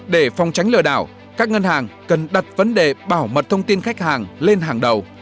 để phòng tránh lừa đảo các ngân hàng cần đặt vấn đề bảo mật thông tin khách hàng lên hàng đầu